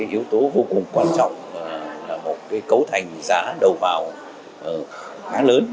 yếu tố vô cùng quan trọng là một cấu thành giá đầu vào khá lớn